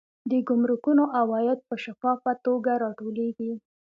د ګمرکونو عواید په شفافه توګه راټولیږي.